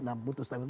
nah butuh stabilitas